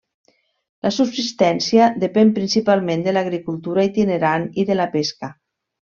La subsistència depèn principalment de l'agricultura itinerant i de la pesca.